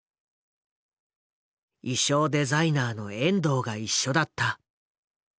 衣装デザイナーの遠藤が一緒だった。